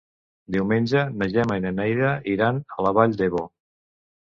Diumenge na Gemma i na Neida iran a la Vall d'Ebo.